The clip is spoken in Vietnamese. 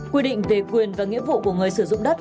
quy định về quyền và nghĩa vụ của người sử dụng đất